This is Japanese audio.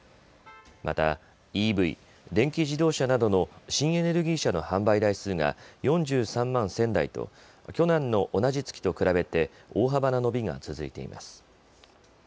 また、ＥＶ・電気自動車などの新エネルギー車の販売台数が、４３万１０００台と去年の同じ月と比べて大幅な伸びが続いています。